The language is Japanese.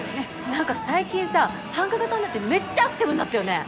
なんか最近さ参加型になってめっちゃアクティブになったよね。